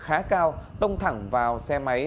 khá cao tông thẳng vào xe máy